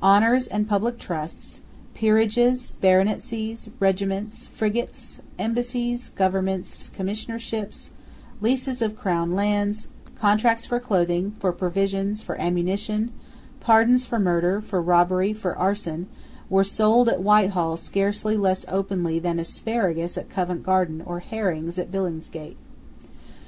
Honours and public trusts, peerages, baronetcies, regiments, frigates, embassies, governments, commissionerships, leases of crown lands, contracts for clothing, for provisions, for ammunition, pardons for murder, for robbery, for arson, were sold at Whitehall scarcely less openly than asparagus at Covent Garden or herrings at Billingsgate.